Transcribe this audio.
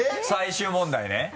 最終問題ね。